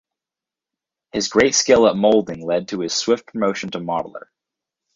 His great skill at moulding led to his swift promotion to modeller.